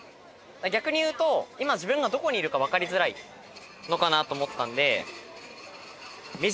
逆に言うと今自分がどこにいるか分かりづらいのかなと思ったんで。